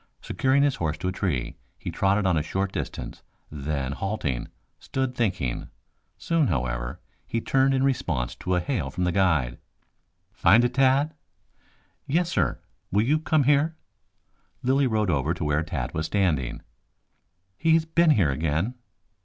Securing his horse to a tree, he trotted on a short distance, then halting, stood thinking. Soon, however, he turned in response to a hail from the guide. "Find it, Tad?" "Yes, sir; will you come here?" Lilly rode over to where Tad was standing. "He has been here again."